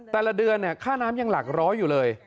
แต่ละเดือนค่าน้ำยังหลักร้อยอยู่เลย